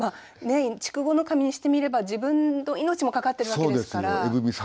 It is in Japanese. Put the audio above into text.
筑後守にしてみれば自分の命もかかってるわけですから。